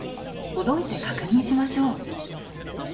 ほどいて確認しましょう。